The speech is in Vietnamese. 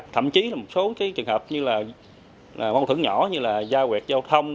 thậm chí là một số cái trường hợp như là mâu thuẫn nhỏ như là dao huyệt giao thông